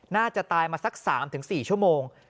น่าจะตายมาสัก๓๔ชั่วโมง